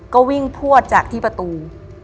ก็วิ่งพวดจากที่ประตู